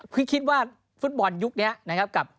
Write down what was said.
คิดว่าฟุตบอลยุคนี้นะครับกับ